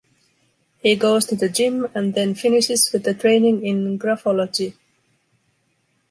He goes to the gym and then finishes with a training in graphology.